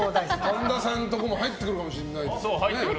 神田さんとこも入ってくるかもしれないです。